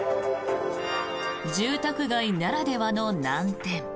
住宅街ならではの難点。